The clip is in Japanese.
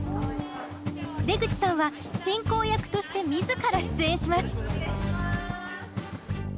出口さんは進行役として自ら出演します。